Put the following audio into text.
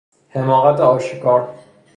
حماقت آشکار